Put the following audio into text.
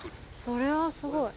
それはすごい。